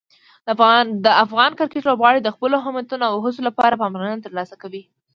د افغان کرکټ لوبغاړي د خپلو همتونو او هڅو لپاره پاملرنه ترلاسه کوي.